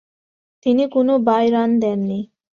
তিনি কোন bye run দেননি।